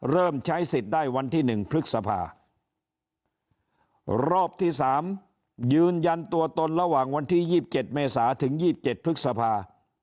เริ่มใช้สิทธิ์ได้วันที่๑พฤษภารอบที่๓ยืนยันตัวตนระหว่างวันที่๒๗เมษาถึง๒๗พฤษภา